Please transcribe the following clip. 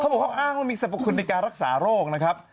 บอกเขาอ้างว่ามีสรรพคุณในการรักษาโรคนะครับ